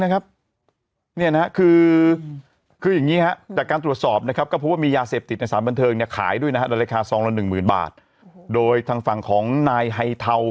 คุณฝากเขาไว้ได้อ๋อ